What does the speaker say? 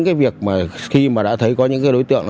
khi mà đã thấy có những đối tượng